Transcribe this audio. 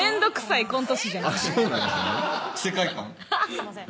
すいません。